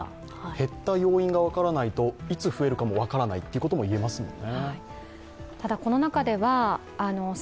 減った要因が分からないといつ増えるかも分からないというのもいえますもんね。